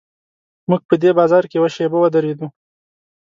موږ په دې بازار کې یوه شېبه ودرېدو.